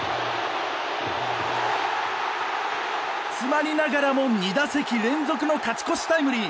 詰まりながらも２打席連続の勝ち越しタイムリー。